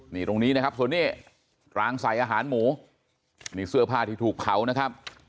นี่ตรงนี้นะครับส่วนนี้รางใส่อาหารหมูนี่เสื้อผ้าที่ถูกเผานะครับ